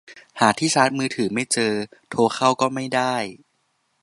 หาที่ชาร์จมือถือไม่เจอ โทรเข้าก็ไม่ได้